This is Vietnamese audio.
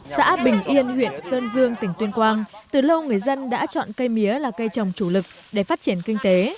xã bình yên huyện sơn dương tỉnh tuyên quang từ lâu người dân đã chọn cây mía là cây trồng chủ lực để phát triển kinh tế